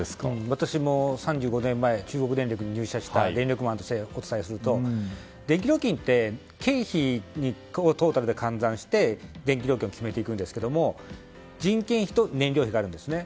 私も３５年前、中国電力に入社した電力マンとしてお伝えすると電気料金って経費をトータルで換算して電気料金を決めていくんですけども人件費と燃料費があるんですね。